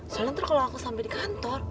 soalnya nanti kalau aku sampai di kantor